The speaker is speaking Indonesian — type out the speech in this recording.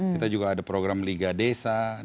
kita juga ada program liga desa